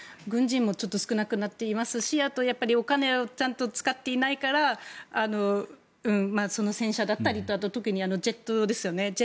軍人も少なくなっていますしあとお金をちゃんと使っていないから戦車だったり特にジェットですよね。